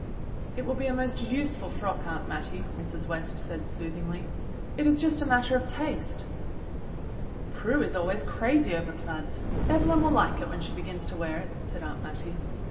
"It will be a most useful frock, Aunt Mattie," Mrs. West said soothingly; "it is just a matter of taste." "Prue is always crazy over plaids. Evelyn will lilce it when she begins to wear it," said Aunt Mattie.